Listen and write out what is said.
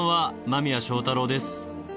間宮祥太朗です。